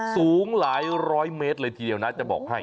สูงหลายร้อยเมตรเลยทีเดียวนะจะบอกให้